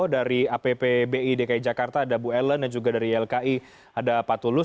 dari appbi dki jakarta ada bu ellen dan juga dari ylki ada pak tulus